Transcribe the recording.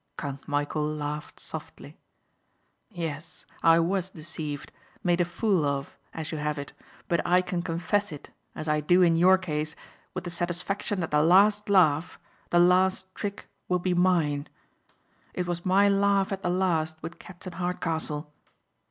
Count Michæl laughed softly, "Yes, I was deceived, made a fool of, as you have it but I can confess it as I do in your case with the satisfaction that the last laugh, the last trick will be mine. It was my laugh at the last with Captain Hardcastle.